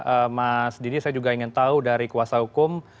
oke mas didi saya juga ingin tahu dari kuasa hukum